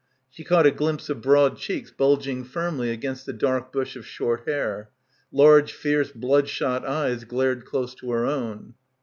She caught a glimpse of broad cheeks bulging firmly against a dark bush of short hair. Large fierce bloodshot eyes glared close to her own.